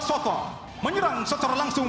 satwa menyerang secara langsung